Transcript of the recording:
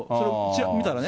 みたいなね。